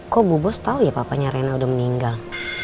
kok bu bos tau ya papanya rina udah meninggal